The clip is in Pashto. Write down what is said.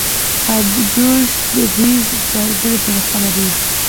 ابجوش ممیز ځانګړې طریقه لري.